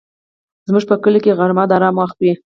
زموږ په کلي کې غرمه د آرام وخت وي